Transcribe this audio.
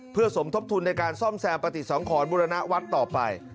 เพื่อสมทบทุนในการซ่อมแซมปฏิสังขรบุรณวัฒน์ต่อไป